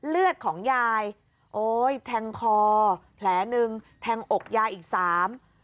เลือดของยายโอ้ยแทงคอแผลหนึ่งแทงอกยายอีกสาม